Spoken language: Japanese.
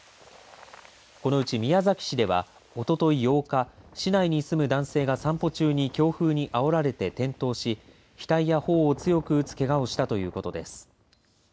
このうち宮崎市ではおととい８日市内に住む男性が散歩中に強風にあおられて転倒し額や頬を強く打つけがをしたということです。